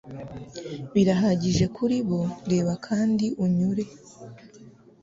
Birahagije kuri bo reba kandi unyure